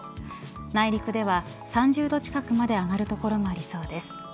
内陸では３０度近くまで上がる所もありそうです。